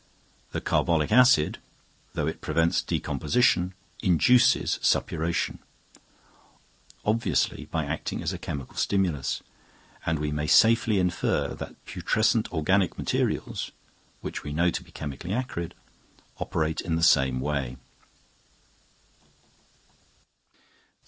The carbolic acid, though it prevents decomposition, induces suppuration obviously by acting as a chemical stimulus; and we may safely infer that putrescent organic materials (which we know to be chemically acrid) operate in the same way.